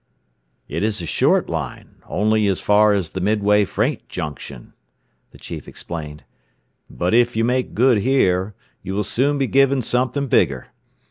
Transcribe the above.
"It is a short line only as far as the Midway freight junction," the chief explained; "but if you make good here, you will soon be given something bigger.